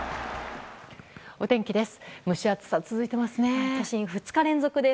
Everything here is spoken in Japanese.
お天気です。